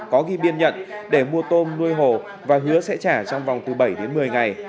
có ghi biên nhận để mua tôm nuôi hồ và hứa sẽ trả trong vòng từ bảy đến một mươi ngày